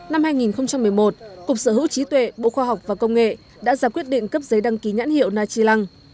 năm hai nghìn một mươi một cục sở hữu trí tuệ bộ khoa học và công nghệ đã ra quyết định cấp giấy đăng ký nhãn hiệu nachilang